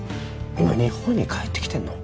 今日本に帰ってきてんの？